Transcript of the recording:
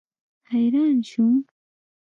حیران شوم.